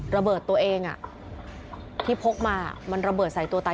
ระเบิดตัวเองที่พกมามันระเบิดใส่ตัวตาย